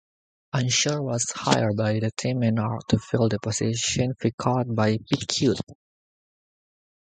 Unser was hired by Team Menard to fill the position vacated by Piquet.